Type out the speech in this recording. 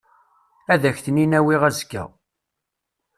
Ad ak-ten-in-awiɣ azekka.